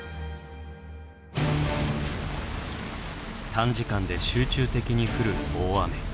短時間で集中的に降る大雨。